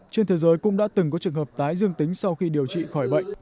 trên thế giới cũng đã từng có trường hợp tái dương tính sau khi điều trị khỏi bệnh